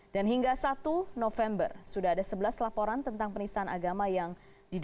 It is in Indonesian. dan hingga satu november sudah ada sebelas laporan tentang penisahan agama yang diduga